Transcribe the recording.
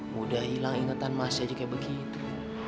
mudah hilang ingetan masih aja kayak begitu